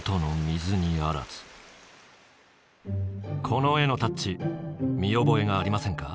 この絵のタッチ見覚えがありませんか？